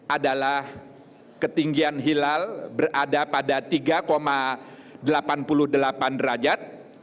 adalah ketinggian hilal berada pada tiga delapan puluh delapan derajat